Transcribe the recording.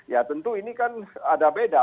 ya tentu ini kan ada beda